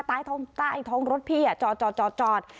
ตายท้องตายท้องรถพี่อ่ะจอดจอดจอดจอด